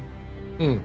うん。